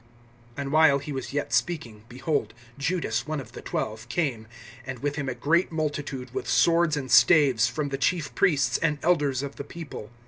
(47)And while he was yet speaking, behold, Judas, one of the twelve, came, and with him a great multitude with swords and staves, from the chief priests and elders of the people.